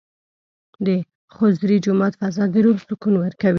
د خضري جومات فضا د روح سکون ورکوي.